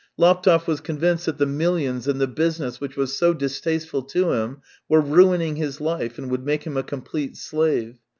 Laptev was convinced that the millions and the business which was so distasteful to him were ruining his life, and would make him a complete slave.